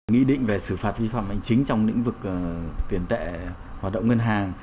nghị định về xử phạt vi phạm hành chính trong lĩnh vực tiền tệ hoạt động ngân hàng